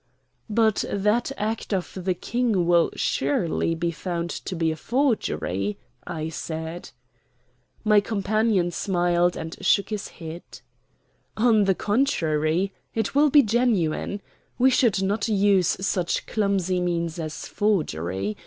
"But that Act of the King will surely be found to be a forgery?" I said. My companion smiled and shook his head. "On the contrary, it will be genuine. We should not use such clumsy means as forgery.